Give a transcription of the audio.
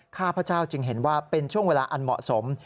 ข้าพเจ้าจึงเห็นว่าเป็นช่วงเวลาอันเหมาะสม